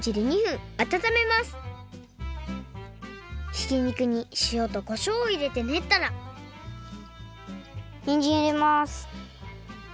ひきにくにしおとこしょうをいれてねったらにんじんいれます。